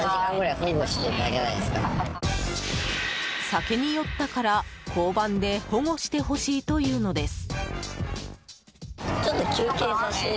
酒に酔ったから交番で保護してほしいというのです。